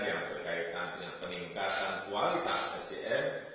yang berkaitan dengan peningkatan kualitas sdm